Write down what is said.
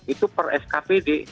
itu per skpd